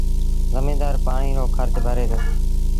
زميݩدآر پآڻي رو کرچ ڀري دو